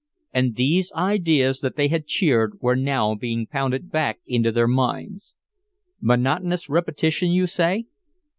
And these ideas that they had cheered were now being pounded back into their minds. Monotonous repetition, you say?